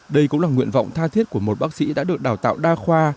đây cũng là nguyện vọng tha thiết của một bác sĩ đã được đào tạo đa khoa